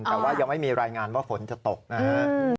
แต่ว่ายังไม่มีรายงานว่าฝนจะตกนะฮะ